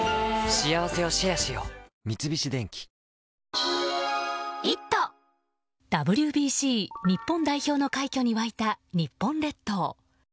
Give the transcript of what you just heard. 三菱電機ＷＢＣ日本代表の快挙に沸いた日本列島。